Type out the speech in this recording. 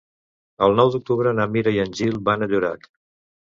El nou d'octubre na Mira i en Gil van a Llorac.